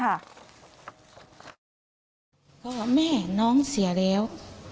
เขาก็บอกว่าแม่น้องเสียแล้ว